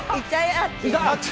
あっち？